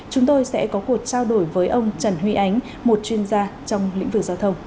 chúng tôi sẽ có cuộc trao đổi với ông trần huy ánh một chuyên gia trong lĩnh vực giao thông